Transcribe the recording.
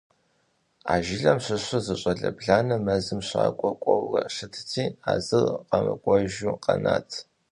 А жылэм щыщу зы щӀалэ бланэ мэзым щакӀуэ кӏуэурэ щытти, а зыр къэмыкӀуэжу къэнат.